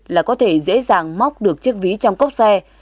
là có thể dễ dàng móc được chiếc ví trong cốc xe